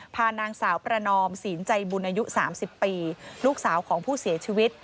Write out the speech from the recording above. พานางสาวประนอมศีลใจบุญอายุ๓๐ปีลูกสาวของผู้เสียชีวิต